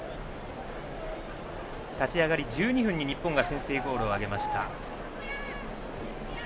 立ち上がり１２分に日本が先制ゴールを挙げました。